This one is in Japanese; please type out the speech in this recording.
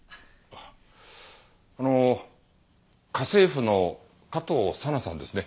あっあの家政婦の加藤佐奈さんですね。